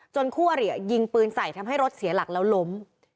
คู่อริยิงปืนใส่ทำให้รถเสียหลักแล้วล้ม